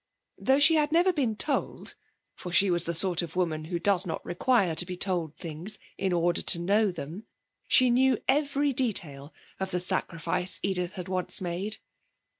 Though she had never been told, for she was the sort of woman who does not require to be told things in order to know them, she knew every detail of the sacrifice Edith had once made.